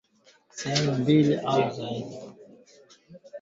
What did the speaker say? Gavana wa kwanza wa jimbo la tanganyika ni Ngoy kitangala richard